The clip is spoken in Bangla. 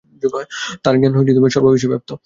তার জ্ঞান সর্ববিষয়ে ব্যপ্ত।